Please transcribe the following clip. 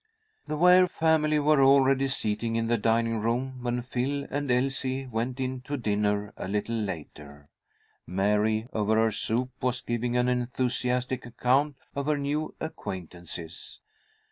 The Ware family were already seated in the dining room when Phil and Elsie went in to dinner a little later. Mary, over her soup, was giving an enthusiastic account of her new acquaintances.